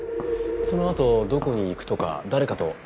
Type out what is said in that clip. そのあとどこに行くとか誰かと会うとかは？